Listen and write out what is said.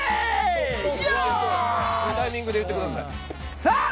タイミングで言ってください。